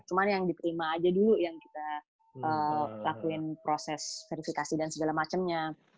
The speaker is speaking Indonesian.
cuma yang diterima aja dulu yang kita lakuin proses verifikasi dan segala macamnya